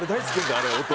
あれ音。